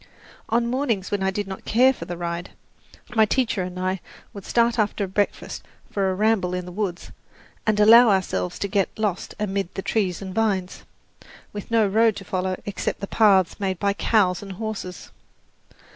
On mornings when I did not care for the ride, my teacher and I would start after breakfast for a ramble in the woods, and allow ourselves to get lost amid the trees and vines, with no road to follow except the paths made by cows and horses.